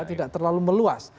tidak terlalu meluas